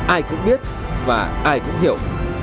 ai cũng biết và ai cũng hiểu